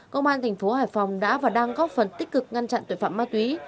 công an tp hải phòng đã và đang góp phần tích cực ngăn chặn tội phạm ma túy